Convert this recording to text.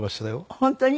本当に？